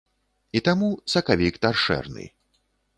І таму сакавік таршэрны.